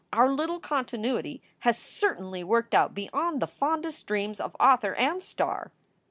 Our little continuity has certainly worked out beyond the fondest dreams of author and star."